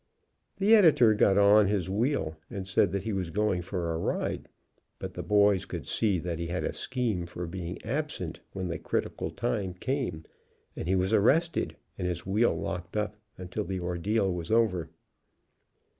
The Editor got on his wheel and said he was going for a ride, but the boys could see that he had a scheme for being absent when the criti cal time came, and he was arrested, and his wheel locked up until the ordeal was over.